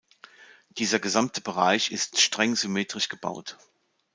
Dieser gesamte Bereich ist streng symmetrisch gebaut.